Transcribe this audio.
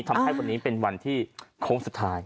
ทำให้วันนี้เป็นวันที่โค้งสุดท้าย